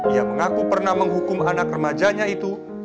ia mengaku pernah menghukum anak remajanya itu dengan kebenaran